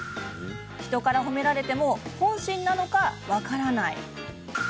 「人から褒められても本心なのか、分からない」